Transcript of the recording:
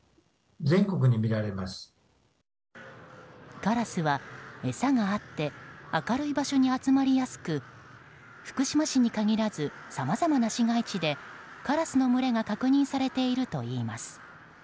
カラスは餌があって明るい場所に集まりやすく福島市に限らずさまざまな市街地でカラスの群れが確認されているといいます。